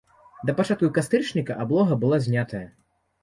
Да пачатку кастрычніка аблога была знятая.